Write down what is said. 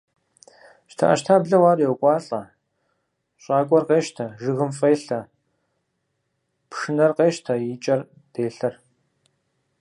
ЩтэӀэщтаблэу ар йокӀуалӀэ, щӀакӀуэр къещтэ, жыгым фӀелъэ, пшынэр къещтэр, и кӀэр делъэр.